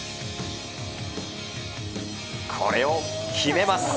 これを決めます。